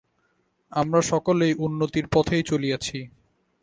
আমরা সকলেই উন্নতির পথেই চলিয়াছি।